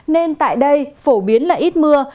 nên tại đây phổ biến là ít mưa